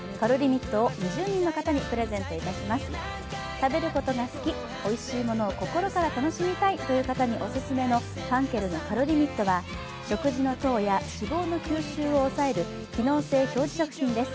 食べることが好き、おいしいものを心から楽しみたいという方にオススメの、ファンケルのカロリミットは食事の糖や脂肪の吸収を抑える機能性表示食品です。